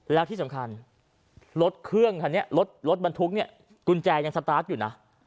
แล้วที่สำคัญรถเครื่องคันนี้รถบรรทุกเนี่ยกุญแจยังสตาร์ทอยู่นะ